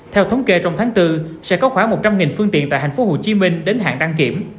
theo thống kê trong tháng bốn sẽ có khoảng một trăm linh phương tiện tại hành phố hồ chí minh đến hạng đăng kiểm